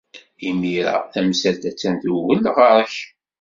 Imir-a, tamsalt attan tugel ɣer-k.